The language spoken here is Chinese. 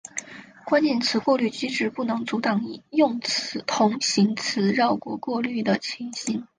关键词过滤机制不能阻挡用同形词绕过过滤的情形。